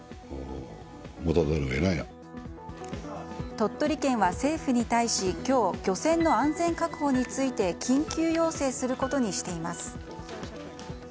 鳥取県は政府に対し今日、漁船の安全確保について緊急要請することにしています。